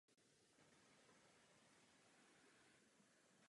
Měsíc po svatbě ji proto zavrhl a zbavil titulu.